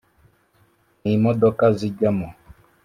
n’imodoka zijyamo